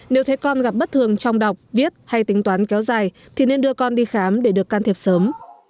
nếu thấy con gặp bất thường trong đọc viết hay tính toán kéo dài thì nên đưa con đi khám để được can thiệp sớm